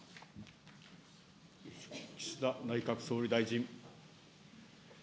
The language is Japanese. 岸田内閣総理大臣。